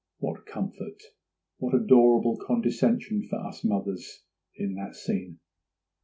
What comfort, what adorable condescension for us mothers in that scene!